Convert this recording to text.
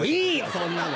そんなの。